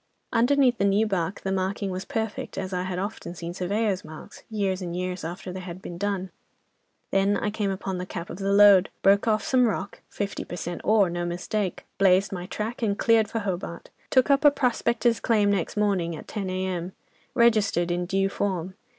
Underneath the new bark the marking was perfect, as I had often seen surveyors' marks, years and years after they had been done. Then I came upon the cap of the lode, broke off some rock, fifty per cent. ore, no mistake. Blazed my track and cleared for Hobart. Took up a prospector's claim next morning at 10 a.m. Registered in due form.